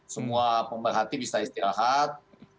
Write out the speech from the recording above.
semua pemerhati bisa istirahat